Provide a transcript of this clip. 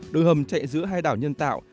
đường hầm chạy giữa hai đảo nhân tạo